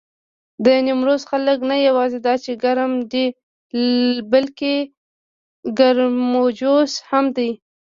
د نيمروز خلک نه یواځې دا چې ګرم دي، بلکې ګرمجوش هم دي.